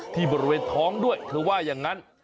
ที่บริเวณท้องด้วยเธอว่าอย่างนั้น